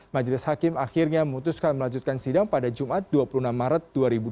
majelis hakim akhirnya memutuskan melanjutkan sidang pada jumat dua puluh enam maret dua ribu dua puluh